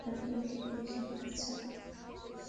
আফ্রিকাতে কী কী শিখেছো?